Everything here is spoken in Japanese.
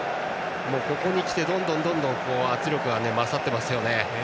ここにきて、どんどん圧力が勝っていますね。